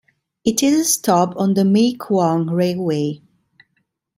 It is a stop on the Maeklong Railway.